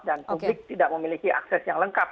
dan publik tidak memiliki akses yang lengkap